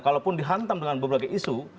kalaupun dihantam dengan berbagai isu